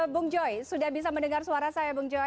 bung joy sudah bisa mendengar suara saya bung joy